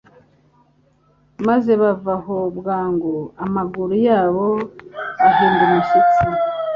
maze bava aho bwangu, amaguru yabo ahinda umushyitsi.